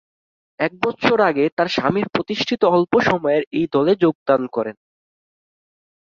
এক বৎসর আগে তার স্বামীর প্রতিষ্ঠিত অল্প সময়ের এই দলে যোগদান করেন।